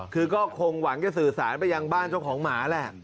คือก็คงหวังจะสื่อสารไปยังบ้านเจ้าของหมาแหละ